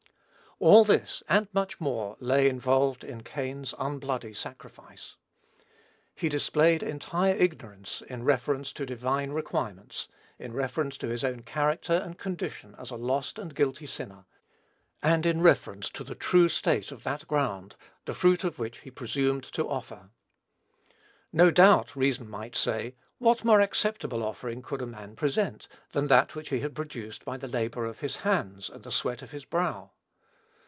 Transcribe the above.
All this, and much more, lay involved in Cain's "unbloody sacrifice." He displayed entire ignorance in reference to divine requirements, in reference to his own character and condition as a lost and guilty sinner, and in reference to the true state of that ground, the fruit of which he presumed to offer. No doubt, reason might say, "what more acceptable offering could a man present, than that which he had produced by the labor of his hands, and the sweat of his brow?"